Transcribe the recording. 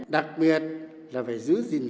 đặc biệt là phải giữ gìn